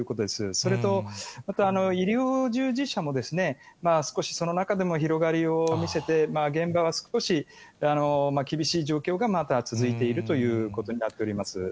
それと、また医療従事者も、少しその中でも広がりを見せて、現場は少し、厳しい状況がまた続いているということになっております。